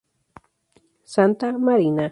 Santa Marina.